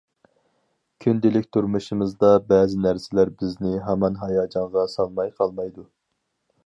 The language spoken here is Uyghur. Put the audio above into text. كۈندىلىك تۇرمۇشىمىزدا بەزى نەرسىلەر بىزنى ھامان ھاياجانغا سالماي قالمايدۇ.